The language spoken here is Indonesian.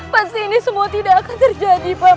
pasti ini semua tidak akan terjadi pak man